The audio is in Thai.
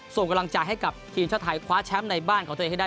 ส่งกำลังใจให้กับทีมชาติไทยคว้าแชมป์ในบ้านของตัวเองให้ได้